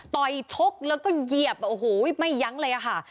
ชกแล้วก็เหยียบโอ้โหไม่ยั้งเลยค่ะ